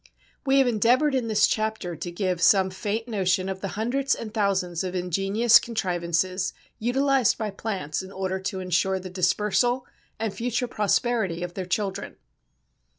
We have endeavoured in this chapter to give some faint notion of the hundreds and thousands of ingenious contrivances utilized by plants in order to ensure the dispersal and future prosperity of their children.